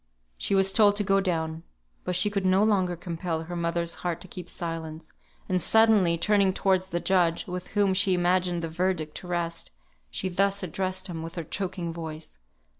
She was told to go down. But she could no longer compel her mother's heart to keep silence, and suddenly turning towards the judge (with whom she imagined the verdict to rest), she thus addressed him with her choking voice.